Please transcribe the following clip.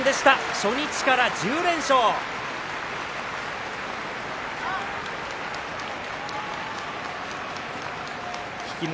初日から１０連勝、朝乃山。